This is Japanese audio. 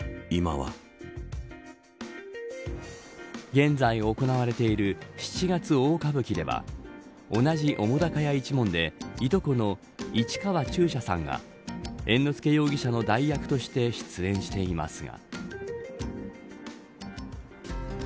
現在行われている７月大歌舞伎では同じ澤瀉屋一門でいとこの市川中車さんが猿之助容疑者の代役として出演していますが。